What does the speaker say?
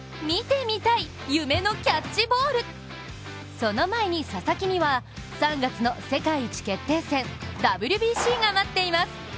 その前に佐々木には、３月の世界一決定戦、ＷＢＣが待っています。